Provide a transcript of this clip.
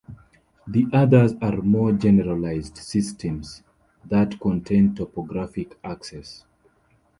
The others are more generalized systems that contain topographic axes.